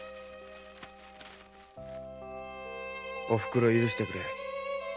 「おふくろ許してくれ。